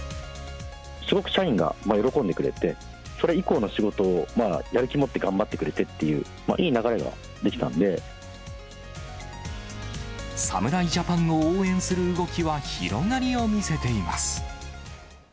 すごく社員が喜んでくれて、それ以降の仕事をやる気、持って頑張ってくれてっていう、いい流侍ジャパンを応援する動きは広がりを見せています。